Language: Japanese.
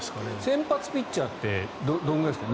先発ピッチャーってどのぐらいですか？